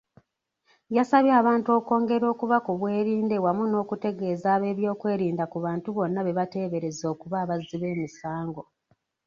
Yasabye abantu okwongera okuba kubwerinde wamu n'okutegeeza abebyokwerinda ku bantu bonna bebateebereza okuba abazzi b'emisango.